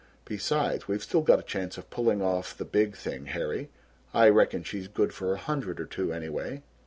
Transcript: Besides we've still got a chance of pulling of the big thing, Harry. I reckon she's good for a hundred or two, anyway."